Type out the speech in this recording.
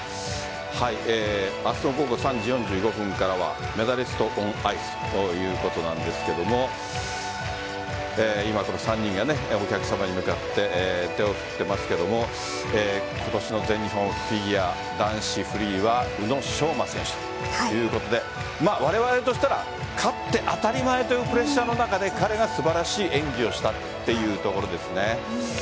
明日の午後３時４５分からはメダリストオンアイスということなんですけども今この３人がお客さまに向かって手を振っていますけども今年の全日本フィギュア男子フリーは宇野昌磨選手ということでわれわれとしたら勝って当たり前というプレッシャーの中で彼が素晴らしい演技をしたというところですね。